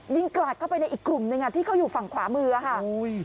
ยิงกลากเข้าไปในอีกกลุ่มนึงนะที่อยู่ฝั่งขวามืออ่ะฮะ